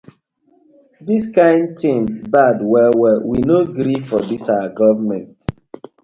Dis kin tin bad well well, we no gree for dis our gofment.